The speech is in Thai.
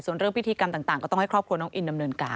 ส่วนเรื่องพิธีกรรมต่างก็ต้องให้ครอบครัวน้องอินดำเนินการ